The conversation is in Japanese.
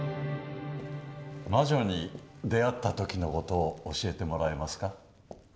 魔女に出会った時の事を教えてもらえますか？